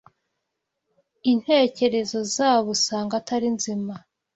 intekerezo zabo usanga atari nzima